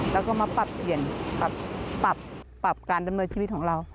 แล้วก็มาปรับเปลี่ยนปรับการดำเนินชีวิตของเรา